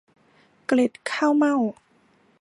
เกล็ดข้าวเม่า